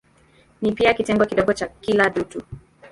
Ni pia kitengo kidogo cha kila dutu.